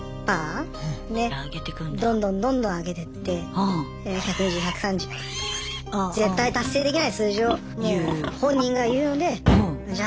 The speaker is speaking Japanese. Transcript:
どんどんどんどん上げてって絶対達成できない数字をもう本人が言うのでじゃあ